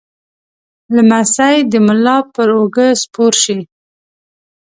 لمسی د ملا پر اوږه سپور شي.